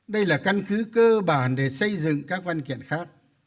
đây là căn cứ cơ bản để xây dựng các văn kiện khác